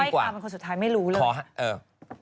ขอถ้อยความเป็นคนสุดท้ายไม่รู้เลย